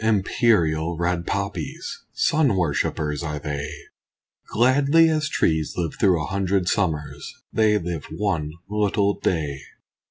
Imperial red poppies! Sun worshippers are they; Gladly as trees live through a hundred summers They live one little day.